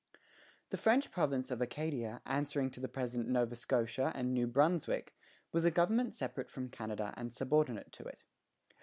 The French province of Acadia, answering to the present Nova Scotia and New Brunswick, was a government separate from Canada and subordinate to it.